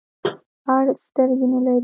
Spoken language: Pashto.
اړ سترګي نلری .